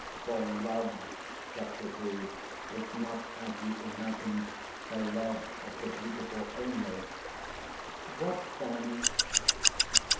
For love, Socrates, is not, as you imagine, the love of the beautiful only.' 'What then?'